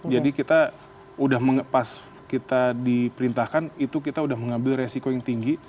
jadi kita sudah pas kita diperintahkan itu kita sudah mengambil resiko yang tinggi